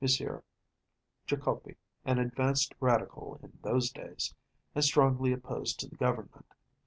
Trikoupi, an advanced Radical in those days, and strongly opposed to the Government.